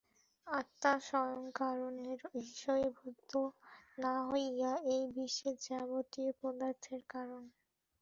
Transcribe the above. আত্মা স্বয়ং কারণের বিষয়ীভূত না হইয়াও এই বিশ্বের যাবতীয় পদার্থের কারণ।